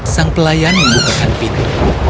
sang pelayan membukakan pintu